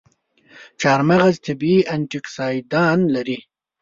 چارمغز طبیعي انټياکسیدان لري.